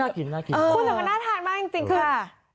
น่ากินน่ากินเขานะคะคุณส่องมันน่าทานมากจริงคือเออ